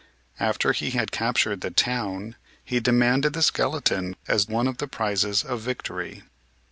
After he had captured the town, he de manded the skeleton as one of the prizes of victory.